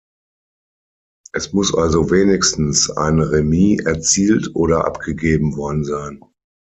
Es muss also wenigstens ein Remis erzielt oder abgegeben worden sein.